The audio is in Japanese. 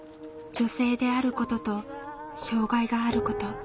女性であることと障害があること。